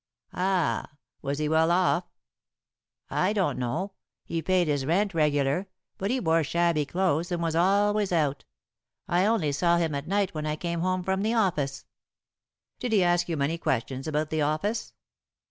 "Ah! Was he well off?" "I don't know. He paid his rent regular, but he wore shabby clothes, and was always out. I only saw him at night when I came home from the office." "Did he ask you many questions about the office?"